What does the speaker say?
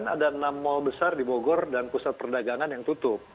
ada enam mal besar di bogor dan pusat perdagangan yang tutup